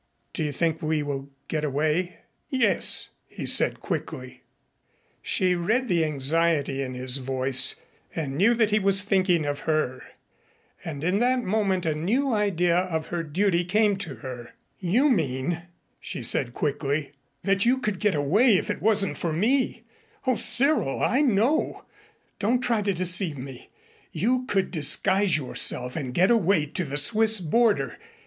"Do you think we will get away?" "Yes," he said quickly. She read the anxiety in his voice and knew that he was thinking of her, and in that moment a new idea of her duty came to her. "You mean," she said quickly, "that you could get away if it wasn't for me. O Cyril, I know. Don't try to deceive me. You could disguise yourself and get away to the Swiss border.